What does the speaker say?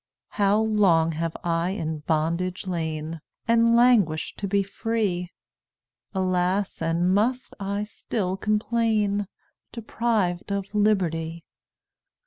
"How long have I in bondage lain, And languished to be free! Alas! and must I still complain, Deprived of liberty?